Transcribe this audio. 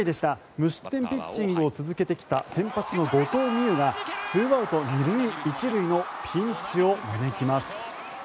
無失点ピッチングを続けてきた先発の後藤希友が２アウト２塁１塁のピンチを招きます。